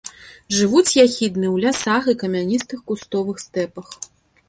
Жывуць яхідны ў лясах і камяністых кустовых стэпах.